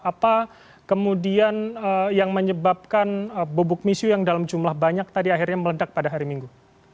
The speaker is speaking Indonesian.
apa kemudian yang menyebabkan bubuk misu yang dalam jumlah banyak tadi akhirnya meledak pada hari minggu